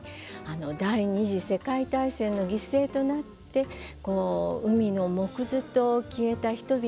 第２次世界大戦の犠牲となって海の藻屑と消えた人々が